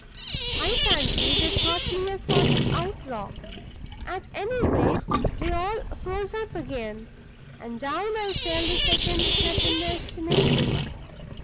I fancy they thought me a sort of outlaw. At any rate, they all froze up again; and down I fell the second step in their estimation.